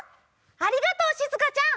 ありがとう、しずかちゃん。